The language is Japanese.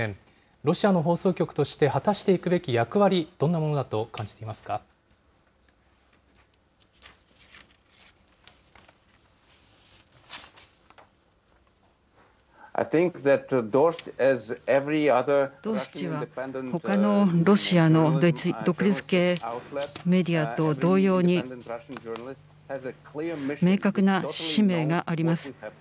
ロシアの放送局として果たしていくべき役割、どんなものだと感じドーシチは、ほかのロシアの独立系メディアと同様に、明確な使命があります。